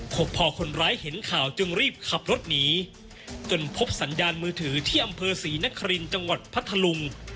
พอคนร้ายเห็นข่าวจึงรีบขับรถหนีจนพบสัญญาณมือถือที่อำเภอศรีนครินทร์จังหวัดพัทธลุง